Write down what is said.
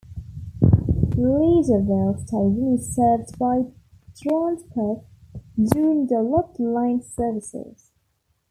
Leederville station is served by Transperth Joondalup line services.